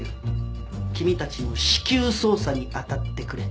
君たちも至急捜査に当たってくれ。